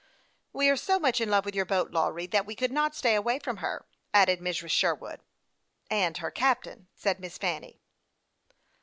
" We are so much in love with your little boat, Lawry, that we could not stay away from her," added Mrs. Sherwood. " And her little captain," said Miss Fanny.